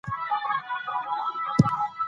خلک له صادقو خلکو سره کار کوي.